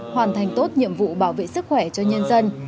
hoàn thành tốt nhiệm vụ bảo vệ sức khỏe cho nhân dân